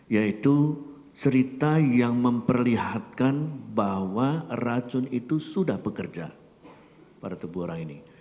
yaitu cerita yang memperlihatkan bahwa racun itu sudah bekerja pada tubuh orang ini